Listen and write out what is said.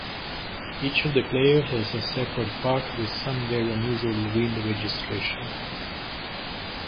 Each of the players has a separate part, with some very unusual wind registration.